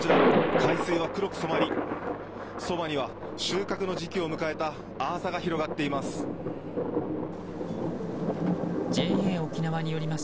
海水は黒く染まりそばには収穫の時期を迎えたアーサが広がっています。